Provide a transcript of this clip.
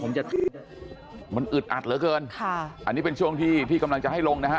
ผมจะมันอึดอัดเหลือเกินค่ะอันนี้เป็นช่วงที่พี่กำลังจะให้ลงนะฮะ